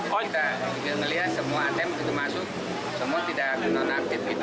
kita juga melihat semua atm yang masuk semua tidak non aktif